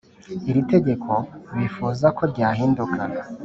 iri tegeko bifuza ko ryahinduka.